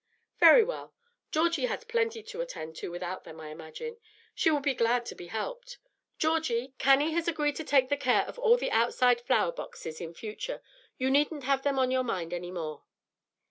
"Very well. Georgie has plenty to attend to without them, I imagine. She will be glad to be helped. Georgie, Cannie has agreed to take the care of all the outside flower boxes in future. You needn't have them on your mind any more."